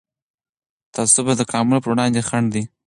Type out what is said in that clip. تعصب د تکامل پر وړاندې خنډ دی